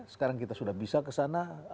sekarang kita sudah bisa ke sana